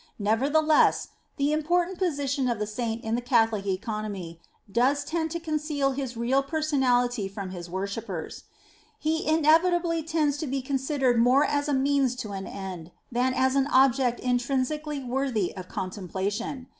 Nevertheless the important position of the Saint in the Catholic economy xx INTRODUCTION does tend to conceal his real personality from his wor shippers. He inevitably tends to be considered more as a means to an end, than as an object intrinsically worthy of contemplation.